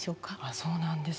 そうなんです。